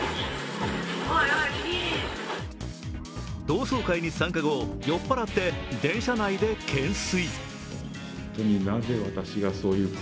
同窓会に参加後、酔っ払って電車内で懸垂。